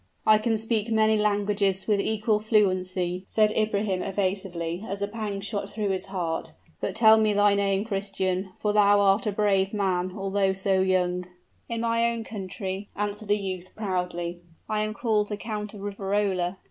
"I can speak many languages with equal fluency," said Ibrahim, evasively, as a pang shot through his heart. "But tell me thy name, Christian for thou art a brave man, although so young." "In my own country," answered the youth, proudly, "I am called the Count of Riverola."